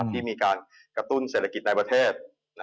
ที่มีการกระตุ้นเศรษฐกิจในประเทศ